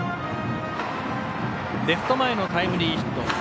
レフト前のタイムリーヒット。